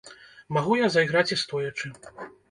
Магу я зайграць і стоячы.